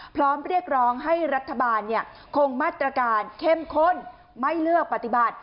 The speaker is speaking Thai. พร้อมเรียกร้องให้รัฐบาลคงมาตรการเข้มข้นไม่เลือกปฏิบัติ